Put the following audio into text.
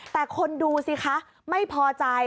แต่คนดูสิคะไม่พอใจ